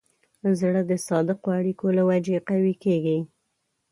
زړه د صادقو اړیکو له وجې قوي کېږي.